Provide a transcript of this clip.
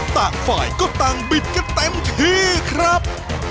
ต่างฝ่ายก็ต่างบิดกันเต็มที่ครับ